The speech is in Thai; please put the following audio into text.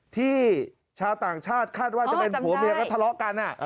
ชาวต่างชาติคาดว่าจะเป็นผัวเมียก็ทะเลาะกัน